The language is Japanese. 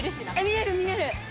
見える、見える。